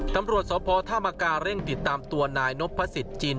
ทำรวจสอบพอร์ธ่ามากกาเร่งติดตามตัวนายนพสิทธิ์จีน